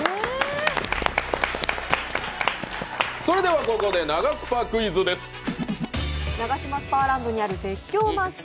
それではここでナガスパクイズです。